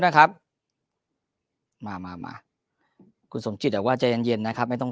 นะครับมามาคุณสมจิตบอกว่าใจเย็นเย็นนะครับไม่ต้อง